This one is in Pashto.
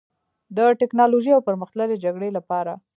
د ټیکنالوژۍ او پرمختللې جګړې لپاره